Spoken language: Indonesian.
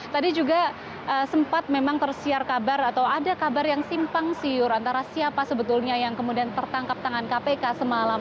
tadi juga sempat memang tersiar kabar atau ada kabar yang simpang siur antara siapa sebetulnya yang kemudian tertangkap tangan kpk semalam